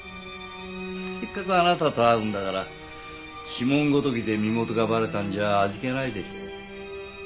せっかくあなたと会うんだから指紋ごときで身元がバレたんじゃ味気ないでしょ。